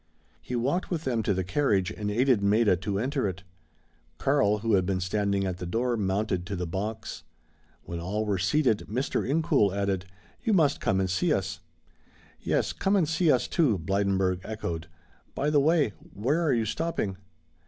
He walked with them to the carriage, and aided Maida to enter it. Karl, who had been standing at the door, mounted to the box. When all were seated, Mr. Incoul added: "You must come and see us." "Yes, come and see us, too," Blydenburg echoed. "By the way, where are you stopping?"